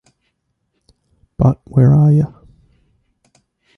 But where are yer?